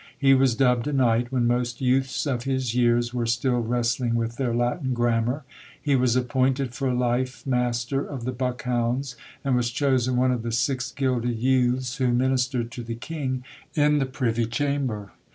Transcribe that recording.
He was dubbed a knight when most youths of his years were still wrestling with their Latin Grammar; he was appointed for life Master of the Buckhounds; and was chosen one of the six gilded youths who ministered to the King in the Privy Chamber.